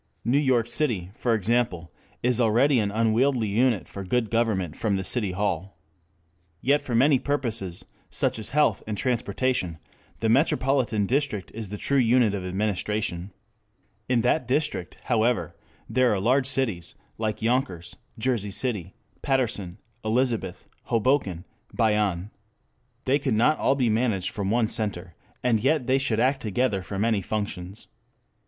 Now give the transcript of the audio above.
New York City, for example, is already an unwieldy unit for good government from the City Hall. Yet for many purposes, such as health and transportation, the metropolitan district is the true unit of administration. In that district, however, there are large cities, like Yonkers, Jersey City, Paterson, Elizabeth, Hoboken, Bayonne. They could not all be managed from one center, and yet they should act together for many functions.